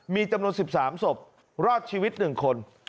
มีจำนวน๑๓ศพรอดชีวิต๑คน